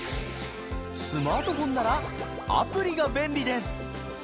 スマートフォンならアプリが便利です。